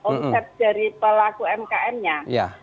omset dari pelaku umkm nya